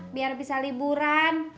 biar bisa liburan